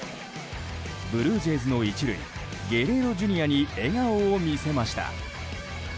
ブルージェイズの１塁ゲレーロＪｒ．に笑顔を見せました。